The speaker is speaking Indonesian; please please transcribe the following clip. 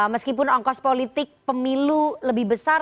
meskipun ongkos politik pemilu lebih besar